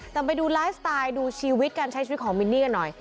แต่ไปดูไลฟ์สไตล์ดูชีวิตการใช้ชีวิตของมินนี่กันหน่อย